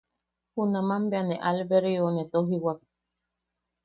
Junaman bea ne albergeu ne tojiwak.